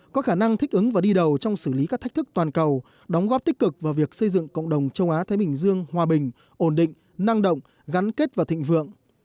có khả năng thích ứng và đi đầu trong xử lý các thách thức toàn cầu đóng góp tích cực vào việc xây dựng cộng đồng châu á thái bình dương hòa bình ổn định năng động gắn kết và thịnh vượng